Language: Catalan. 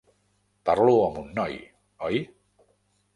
Parlo amb un noi, oi?